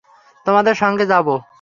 তোমাদের সঙ্গে যাব।